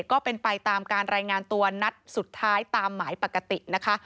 ก็เป็นไปตามการรายงานตัวนัดสุดท้ายตามหมายปกตินะคะ